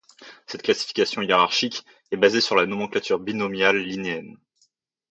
Cette classification hiérarchique est basée sur la nomenclature binomiale linnéenne.